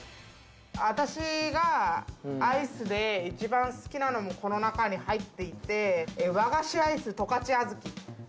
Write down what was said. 私がアイスで一番好きなのもこの中に入っていて、和菓子アイス十勝あずき。